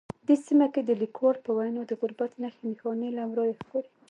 دې سیمه کې د لیکوال په وینا د غربت نښې نښانې له ورایه ښکاري